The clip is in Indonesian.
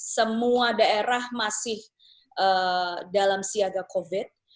semua daerah masih dalam siaga covid